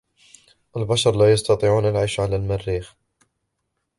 البشر لا يستطيعون العيش علي المريخ.